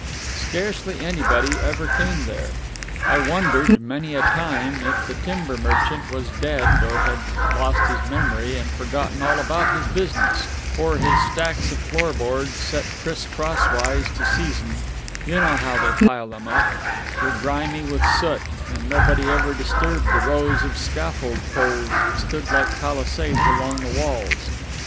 Scarcely anybody ever came there. I wondered many a time if the timber merchant was dead or had lost his memory and forgotten all about his business; for his stacks of floorboards, set criss crosswise to season (you know how they pile them up) were grimy with soot, and nobody ever disturbed the rows of scaffold poles that stood like palisades along the walls.